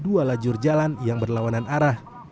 dua lajur jalan yang berlawanan arah